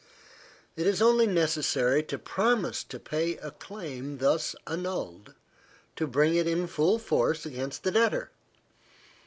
It is only necessary to promise to pay a claim thus annulled, to bring it in full force against the debtor.